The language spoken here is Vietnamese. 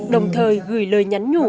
đồng thời gửi lời nhắn nhủ